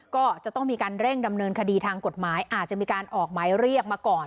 ก็จะต้องมีการเร่งดำเนินคดีทางกฎหมายอาจจะมีการออกหมายเรียกมาก่อน